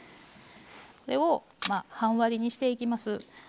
これを半割りにしていきます。